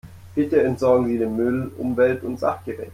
Bitte entsorgen Sie den Müll umwelt- und sachgerecht.